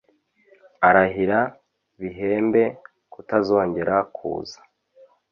arahira bihembe kutazongera kuza